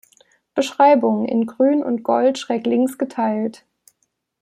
Beschreibung: In Grün und Gold schräglinks geteilt.